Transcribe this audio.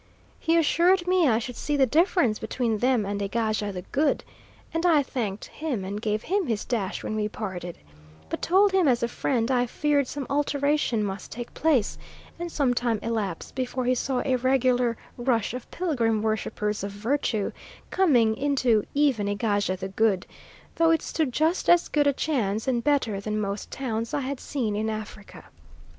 He assured me I should see the difference between them and Egaja the Good, and I thanked him and gave him his dash when we parted; but told him as a friend, I feared some alteration must take place, and some time elapse before he saw a regular rush of pilgrim worshippers of Virtue coming into even Egaja the Good, though it stood just as good a chance and better than most towns I had seen in Africa.